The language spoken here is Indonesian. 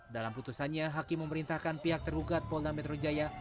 dalam putusannya hakim memerintahkan pihak tergugat polda metro jaya